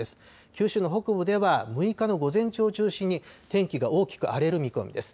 九州の北部では６日の午前中を中心に天気が大きく荒れる見込みです。